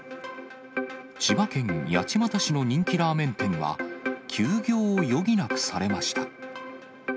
千葉県八街市の人気ラーメン店は、休業を余儀なくされました。